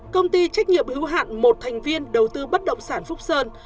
công ty trách nhiệm hữu hạn một thành viên đầu tư bất động sản phúc sơn